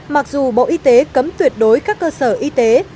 mặc dù bộ y tế cấm tuyệt đối các cơ sở y tế